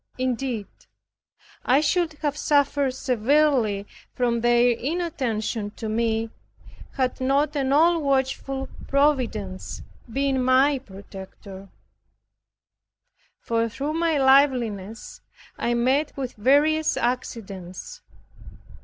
Indeed, I should have suffered severely from their inattention to me had not an all watchful Providence been my protector: for through my liveliness, I met with various accidents.